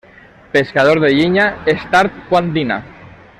Pescador de llinya, és tard quan dina.